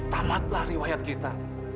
tamatlah riwayat kita